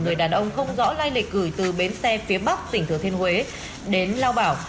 người đàn ông không rõ lai lịch gửi từ bến xe phía bắc tỉnh thừa thiên huế đến lao bảo